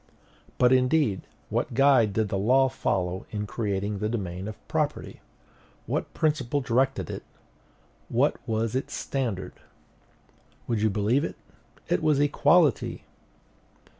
But, indeed, what guide did the law follow in creating the domain of property? What principle directed it? What was its standard? Would you believe it? It was equality.